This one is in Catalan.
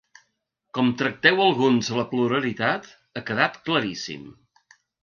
Com tracteu alguns la pluralitat ha quedat claríssim.